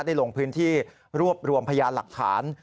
ลงพื้นที่รวบรวมพยานหลักฐาน